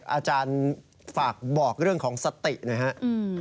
อาจารย์ฝากบอกเรื่องของสติหน่อยครับ